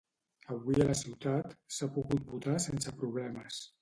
Avui a la ciutat s’ha pogut votar sense problemes.